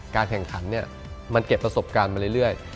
แข่งขันมันเก็บประสบการณ์มาเรื่อย